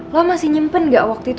lo masih nyimpen gak waktu itu